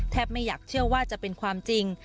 ไม่อยากเชื่อว่าจะเป็นความจริง